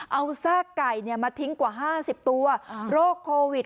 เอาซากไก่เนี่ยมาทิ้งกว่าห้าสิบตัวโรคโควิด